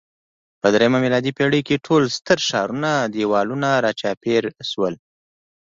په درېیمه میلادي پېړۍ کې ټول ستر ښارونه دېوالونو راچاپېر شول